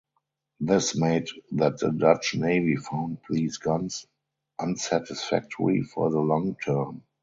This made that the Dutch Navy found these guns unsatisfactory for the long term.